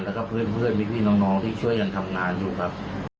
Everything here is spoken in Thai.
แล้วก็เพื่อนพี่น้องที่ช่วยยังทำงานอยู่ครับ